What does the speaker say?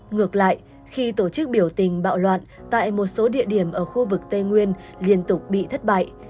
ngược lại khi tổ chức biểu tình bạo loạn tại một số địa điểm ở khu vực tây nguyên liên tục bị thất bại